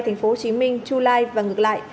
thành phố hồ chí minh july và ngược lại